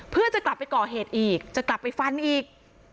เพื่อจะกลับไปก่อเหตุอีกจะกลับไปฟันอีก